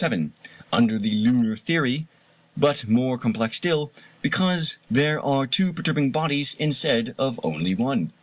7, under the lunar theory, but more complex still, because there are two perturbing bodies instead of only one.